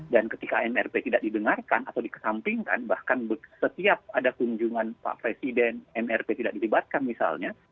dan ketika mrp tidak didengarkan atau dikesampingkan bahkan setiap ada kunjungan pak presiden mrp tidak dilibatkan misalnya